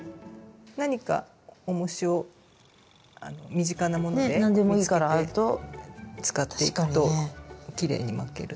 何かおもしを身近なもので使っていくときれいに巻けると思います。